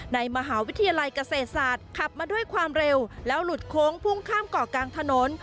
ในมหาวิทยาลัยเกษตรศาสตร์ขับมาด้วยความเร็วแล้วหลุดโค้งพุ่งข้ามเกาะกลางถนน